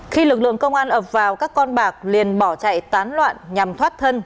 khi lực lượng công an ập vào các con bạc liền bỏ chạy tán loạn nhằm thoát thân